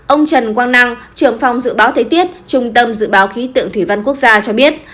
ông trần quang năng trưởng phòng dự báo thế tiết trung tâm dự báo khí tượng thủy văn quốc gia cho biết